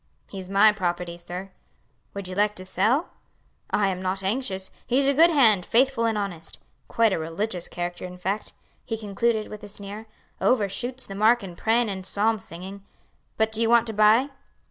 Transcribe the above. "He's my property, sir." "Would you like to sell?" "I am not anxious; he's a good hand, faithful and honest: quite a religious character in fact," he concluded with a sneer; "overshoots the mark in prayin and psalm singing. But do you want to buy?"